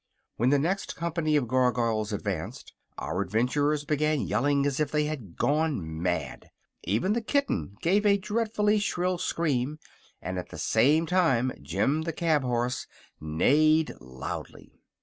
When the next company of Gargoyles advanced, our adventurers began yelling as if they had gone mad. Even the kitten gave a dreadfully shrill scream and at the same time Jim the cab horse neighed loudly.